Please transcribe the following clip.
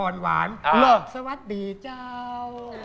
สวัสดีเจ้า